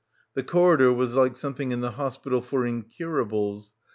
The corridor was like something in the Hospital for Incurables